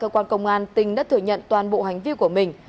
cơ quan công an tình đã thừa nhận toàn bộ hành vi của mình